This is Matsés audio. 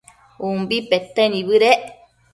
Mimbi pete nibëdec